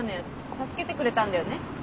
助けてくれたんだよね？